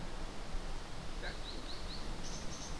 Dert değil.